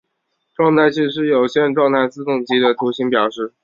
状态器是有限状态自动机的图形表示。